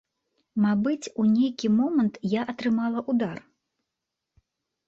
Мабыць, у нейкі момант я атрымала удар.